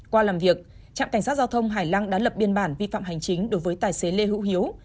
qua làm việc trạm cảnh sát giao thông hải lăng đã lập biên bản vi phạm hành chính đối với tài xế lê hữu hiếu